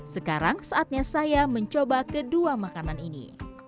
sekarang saatnya saya mencoba kedua makanan ini